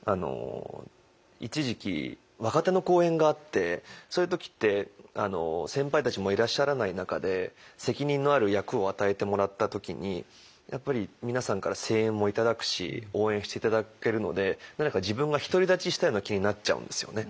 一時期若手の公演があってそういう時って先輩たちもいらっしゃらない中で責任のある役を与えてもらった時にやっぱり皆さんから声援も頂くし応援して頂けるので何か自分が独り立ちしたような気になっちゃうんですよね。